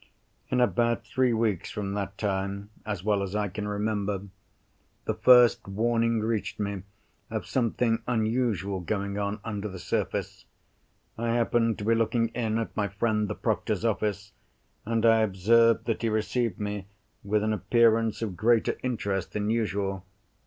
In about three weeks from that time—as well as I can remember—the first warning reached me of something unusual going on under the surface. I happened to be looking in at my friend the proctor's office, and I observed that he received me with an appearance of greater interest than usual.